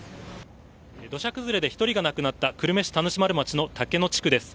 土砂崩れで１人が亡くなった久留米市田主丸町の竹野地区です。